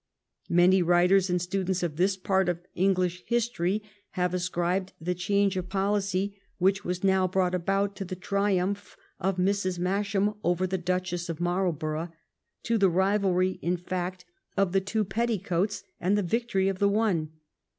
Many writers and students of this part of English history have ascribed the change of policy which was now brought about to the triumph of Mrs. Masham over the Duchess of Marlborough — to the rivalry, in fact, of the two petticoats and the victory of the one.